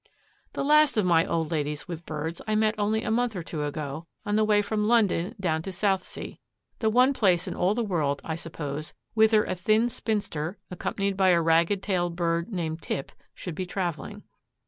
The last of my old ladies with birds I met only a month or two ago, on the way from London down to Southsea, the one place in all the world, I suppose, whither a thin spinster, accompanied by a ragged tailed bird named Tip, should be traveling.